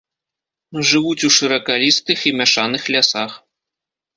Жывуць у шыракалістых і мяшаных лясах.